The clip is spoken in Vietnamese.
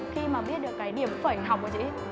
khi mà biết được cái điểm phẩy học của chị